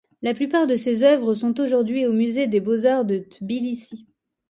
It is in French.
La plupart de ses œuvres sont aujourd’hui au Musée des beaux-arts de Tbilissi.